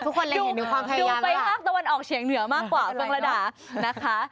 ทุกคนเห็นดูความพยายามแล้วค่ะดูไปห้ากตะวันออกเฉียงเหนือมากกว่าเบื้องระดาษ